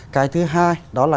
cái thứ hai đó là